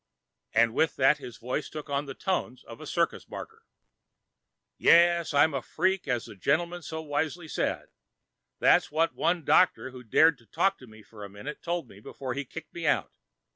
And with that his voice took on the tones of a circus barker. "Yes, I'm a freak, as the gentleman so wisely said. That's what one doctor who dared talk with me for a minute told me before he kicked me out.